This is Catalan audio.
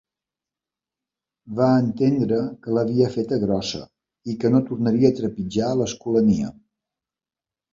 Va entendre que l'havia feta grossa i que no tornaria a trepitjar l'Escolania.